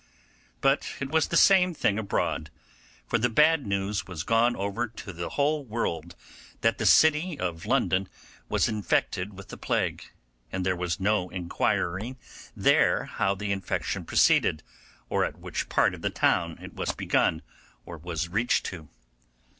But it was the same thing abroad, for the bad news was gone over the whole world that the city of London was infected with the plague, and there was no inquiring there how the infection proceeded, or at which part of the town it was begun or was reached to.